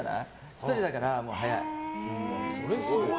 １人だから早い。